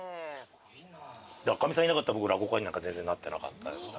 かみさんいなかったら僕落語家になんか全然なってなかったですね。